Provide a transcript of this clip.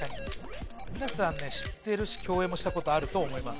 皆さん知ってるし共演もしたことあると思います。